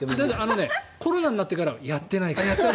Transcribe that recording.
コロナになってからはやってないから。